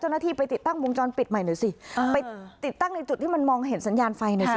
เจ้าหน้าที่ไปติดตั้งวงจรปิดใหม่หน่อยสิไปติดตั้งในจุดที่มันมองเห็นสัญญาณไฟหน่อย